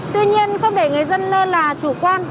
tuy nhiên không để người dân lơ là chủ quan